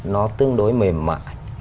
nó tương đối mềm mại